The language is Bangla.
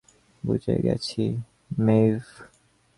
বুঝে গেছি, ম্যাভ।